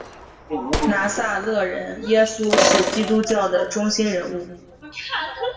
拿撒勒人耶稣是基督教的中心人物。